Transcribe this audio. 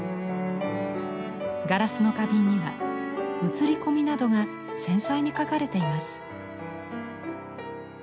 ガラスの花瓶には映り込みなどが繊細に描かれています。